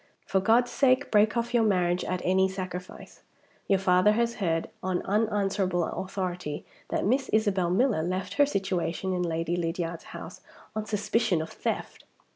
For God's sake, break off your marriage at any sacrifice. Your father has heard, on unanswerable authority, that Miss Isabel Miller left her situation in Lady Lydiard's house on suspicion of theft."